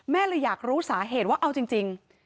แม่เลยอยากรู้สาเหตุว่าเอาจริง